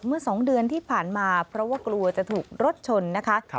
เมื่อ๒เดือนที่ผ่านมาเพราะว่ากลัวจะถูกรถชนนะคะ